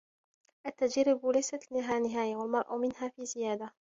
التجارب ليست لها نهاية والمرء منها في زيادة